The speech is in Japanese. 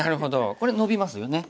これノビますよね。